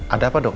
ada apa dok